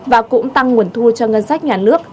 và cũng tăng nguồn thu cho ngân sách nhà nước